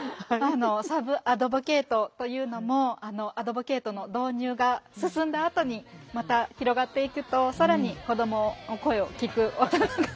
サブアドボケイトというのもアドボケイトの導入が進んだあとにまた広がっていくと更に子どもの声を聴く大人が。